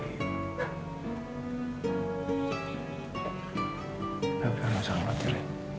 gak usah khawatir